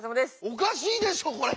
おかしいでしょこれ。